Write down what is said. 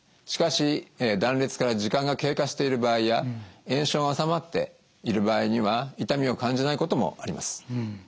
しかし断裂から時間が経過している場合や炎症が治まっている場合には痛みを感じないこともあります。